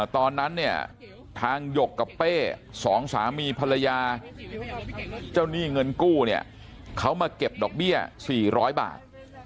ตอนนั้นเนี่ยทางหยกกับเป้สองสามีภรรยาเจ้าหนี้เงินกู้เนี่ยเขามาเก็บดอกเบี้ย๔๐๐บาท